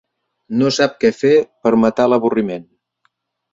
No sap què fer per matar l'avorriment.